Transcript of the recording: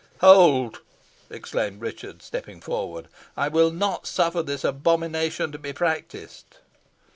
"Hold!" exclaimed Richard, stepping forward. "I will not suffer this abomination to be practised."